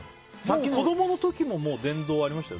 子供の時も電動ありましたよ。